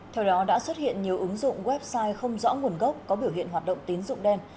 theo đó đã xuất hiện nhiều ứng dụng website không rõ nguồn gốc có biểu hiện hoạt động tín dụng đen